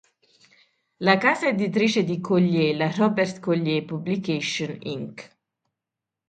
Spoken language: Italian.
La casa editrice di Collier, la Robert Collier Publications Inc.